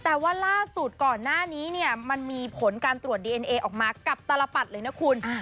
แต่ว่าล่าสุดก่อนหน้านี้เนี่ยมันมีผลการตรวจดีเอ็นเอออกมากับตลปัดเลยนะคุณ